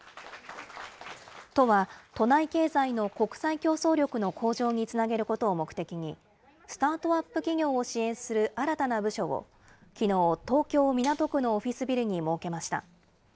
都は、都内経済の国際競争力の向上につなげることを目的に、スタートアップ企業を支援する新たな部署を、きのう、東京・港区のオフィスビルに設けました。